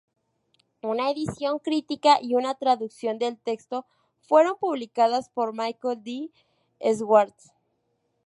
Una edición crítica y una traducción del texto fueron publicadas por Michael D. Swartz.